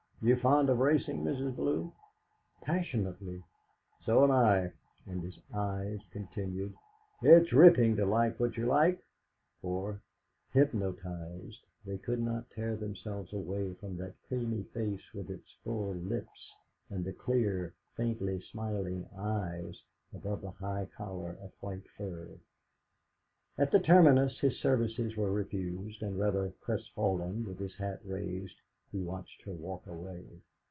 You fond of racin', Mrs. Bellew?" "Passionately." "So am I." And his eyes continued, 'It's ripping to like what you like,' for, hypnotised, they could not tear themselves away from that creamy face, with its full lips and the clear, faintly smiling eyes above the high collar of white fur. At the terminus his services were refused, and rather crestfallen, with his hat raised, he watched her walk away.